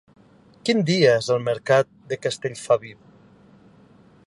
Quin dia és el mercat de Castellfabib?